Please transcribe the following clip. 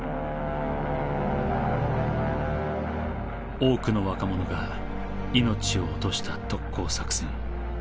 多くの若者が命を落とした特攻作戦。